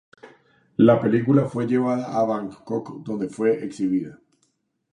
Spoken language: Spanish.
La película fue luego llevada a Bangkok, donde fue exhibida.